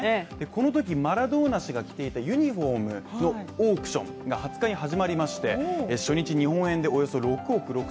このときマラドーナ氏が着ていたユニフォームのオークションが２０日に始まりまして初日日本円でおよそ６億６０００万円。